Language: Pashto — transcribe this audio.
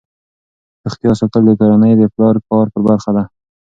روغتیا ساتل د کورنۍ د پلار د کار برخه ده.